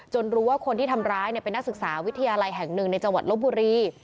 รู้ว่าคนที่ทำร้ายเป็นนักศึกษาวิทยาลัยแห่งหนึ่งในจังหวัดลบบุรี